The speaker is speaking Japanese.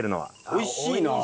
おいしいなあ。